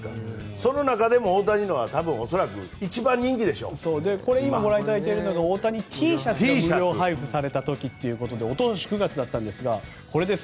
その中でも大谷のは今ご覧いただいているのが大谷Ｔシャツが無料配布された時ということでおととし９月ですがこれです